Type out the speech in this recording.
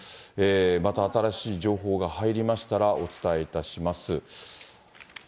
また新しい情報が入りましたら、お伝えいたします。